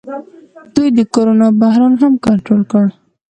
دوی د کرونا بحران هم کنټرول کړ.